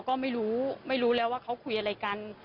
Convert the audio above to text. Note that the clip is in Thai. ก็ไม่รู้ไม่รู้แล้วว่าเขาคุยอะไรกัน